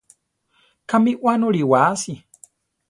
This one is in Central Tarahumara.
¿Kámi wánore wasi?